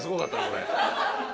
これ。